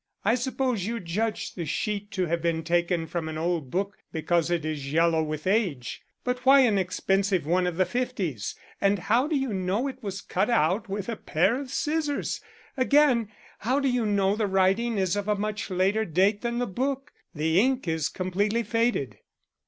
"I suppose you judge the sheet to have been taken from an old book, because it is yellow with age, but why an expensive one of the fifties? And how do you know it was cut out with a pair of scissors? Again, how do you know the writing is of a much later date than the book? The ink is completely faded."